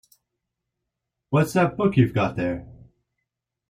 What's that book you've got there?